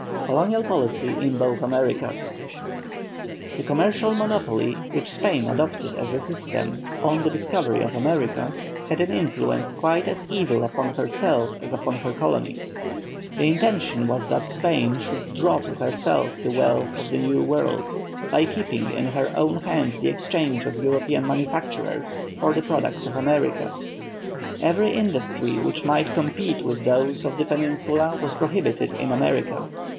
COLONIAL POLICY IN BOTH AMERICAS. The commercial monopoly which Spain adopted as a system on the discovery of America, had an influence quite as evil upon herself as upon her colonies. The intention was that Spain should draw to herself the wealth of the New World, by keeping in her own hands the exchange of European manufactures for the products of America. Every industry which might compete with those of the Peninsula was prohibited in America.